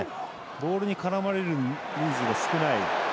ボールに絡まれる人数が少ない。